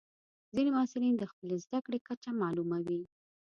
ځینې محصلین د خپلې زده کړې کچه معلوموي.